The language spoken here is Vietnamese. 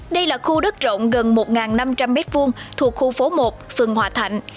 đây là khu đất rộng gần một năm trăm linh mét vuông thuộc khu phố một phường hòa thạnh